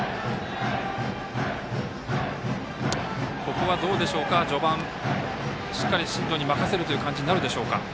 ここは、どうでしょうか、序盤しっかり進藤に任せるという形になるでしょうか。